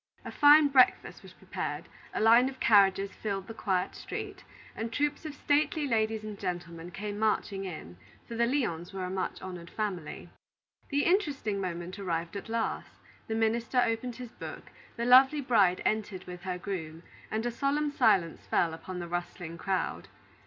A fine breakfast was prepared, a line of carriages filled the quiet street, and troops of stately ladies and gentlemen came marching in; for the Lyons were a much honored family. The interesting moment arrived at last, the minister opened his book, the lovely bride entered with her groom, and a solemn silence fell upon the rustling crowd.